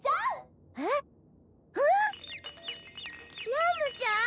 ラムちゃん？